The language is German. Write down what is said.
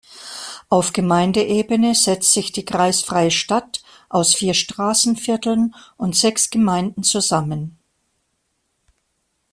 Auf Gemeindeebene setzt sich die kreisfreie Stadt aus vier Straßenvierteln und sechs Gemeinden zusammen.